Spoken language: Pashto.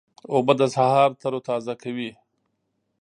اوبه د سهار تروتازه کوي.